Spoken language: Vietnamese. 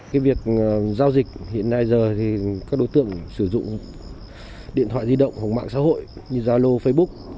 cái việc giao dịch hiện nay giờ thì các đối tượng sử dụng điện thoại di động hoặc mạng xã hội như zalo facebook